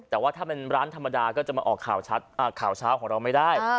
แต่ว่าถ้าเป็นร้านธรรมดาก็จะมาออกข่าวเช้าของเราไม่ได้